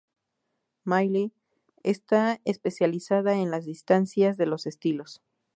Miley está especializada en las distancias de los estilos.